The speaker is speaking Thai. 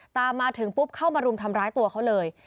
ตามมาถึงปุ๊บเข้ามารุมทำร้ายตัวเขาเลย